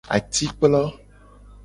Atikplo.